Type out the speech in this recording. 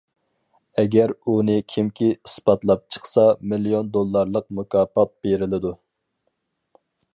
ئەگەر ئۇنى كىمكى ئىسپاتلاپ چىقسا مىليون دوللارلىق مۇكاپات بېرىلىدۇ.